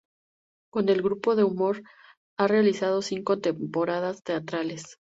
Con el grupo de humor, ha realizado cinco temporadas teatrales.